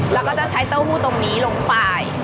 แล้วก็จะใช้เต้าหู้ตรงนี้ลงไป